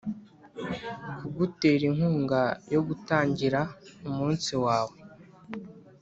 kugutera inkunga yo gutangira umunsi wawe